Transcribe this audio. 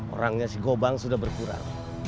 orangnya si gobang sudah berkurang